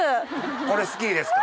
これ好きですか。